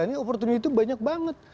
ini opportunity banyak banget